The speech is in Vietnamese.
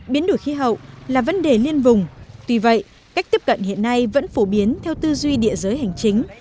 biến đổi khí hậu là vấn đề liên vùng tuy vậy cách tiếp cận hiện nay vẫn phổ biến theo tư duy địa giới hành chính